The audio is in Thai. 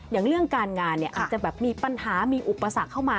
อย่างเรื่องการงานเนี่ยอาจจะแบบมีปัญหามีอุปสรรคเข้ามา